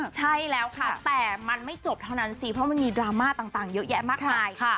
ใช่แล้วค่ะแต่มันไม่จบเท่านั้นสิเพราะมันมีดราม่าต่างเยอะแยะมากมาย